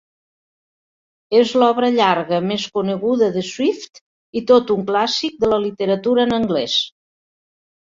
És l'obra llarga més coneguda de Swift i tot un clàssic de la literatura en anglès.